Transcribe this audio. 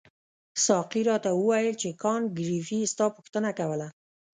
ساقي راته وویل چې کانت ګریفي ستا پوښتنه کوله.